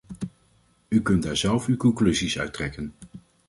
U kunt daar zelf uw conclusies uit trekken.